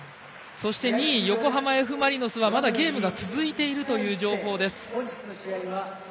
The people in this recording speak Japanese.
そして２位横浜Ｆ・マリノスはまだゲームが続いているという情報です。